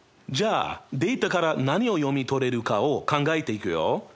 じゃあデータから何を読み取れるかを考えていくよ。